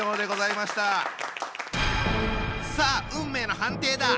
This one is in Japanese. さあ運命の判定だ！